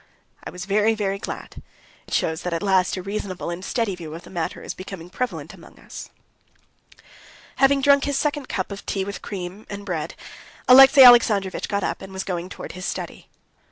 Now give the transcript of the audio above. "I was very, very glad. It shows that at last a reasonable and steady view of the matter is becoming prevalent among us." Having drunk his second cup of tea with cream, and bread, Alexey Alexandrovitch got up, and was going towards his study.